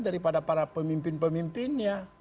daripada para pemimpin pemimpinnya